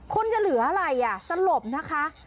คนจะเหลืออะไรอ่ะสลบนะคะ